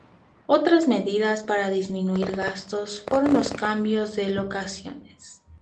Otras medidas para disminuir gastos fueron los cambios de locaciones.